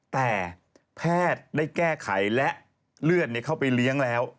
แต่แพทย์ได้แก้ไขและเลือดเข้าไปเลี้ยงแล้ว